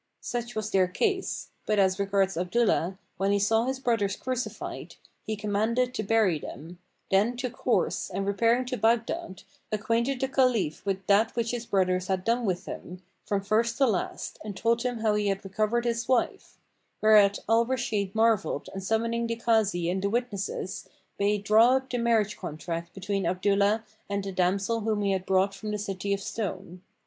Such was their case; but as regards Abdullah, when he saw his brothers crucified, he commanded to bury them, then took horse and repairing to Baghdad, acquainted the Caliph with that which his brothers had done with him, from first to last and told him how he had recovered his wife; whereat Al Rashid marvelled and summoning the Kazi and the witnesses, bade draw up the marriage contract between Abdullah and the damsel whom he had brought from the City of Stone.